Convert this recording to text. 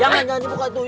jangan jangan dibuka itu